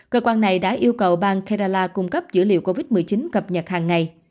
cơ quan này đã yêu cầu bang karala cung cấp dữ liệu covid một mươi chín cập nhật hàng ngày